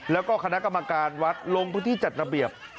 แล้วก็คณะกรรมการวัดลงพื้นที่จัดระเบียบ